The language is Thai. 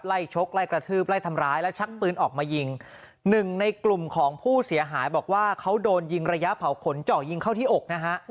ชกไล่กระทืบไล่ทำร้ายแล้วชักปืนออกมายิงหนึ่งในกลุ่มของผู้เสียหายบอกว่าเขาโดนยิงระยะเผาขนเจาะยิงเข้าที่อกนะฮะ